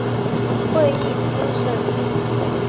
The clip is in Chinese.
会议经审议